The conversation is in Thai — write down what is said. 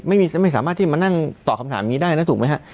ไม่สามารถที่มานั่งตอบคำถามนี้ได้นะถูกไหมฮะ